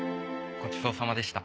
ごちそうさまでした。